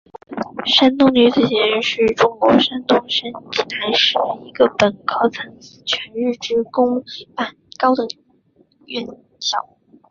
山东女子学院是中国山东省济南市的一所本科层次全日制公办高等院校。